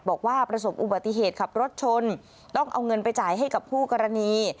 บอกว่าประสบอุบัติเหตุขับรถชนต้องเอาเงินไปจ่ายให้กับคู่กรณี